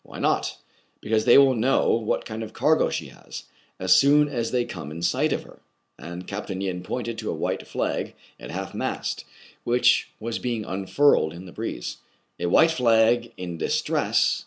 " Why not ?'* "Because they will know what kind of cargo she has, as soon as they come in sight of her/' And Capt. Yin pointed to a white flag at half mast, which was being unfurled in the breeze. A white flag in distress